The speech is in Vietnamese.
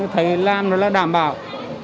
thấy làm đó là đảm bảo